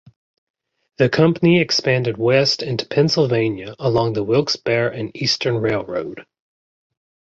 The company expanded west into Pennsylvania along the Wilkes-Barre and Eastern Railroad.